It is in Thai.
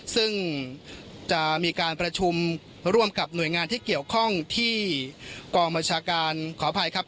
ซึ่งจะมีการประชุมร่วมกับหน่วยงานที่เกี่ยวข้องที่กองบัญชาการขออภัยครับ